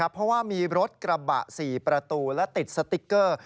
เพราะว่ามีรถกระบะ๔ประตูและติดสติ๊กเกอร์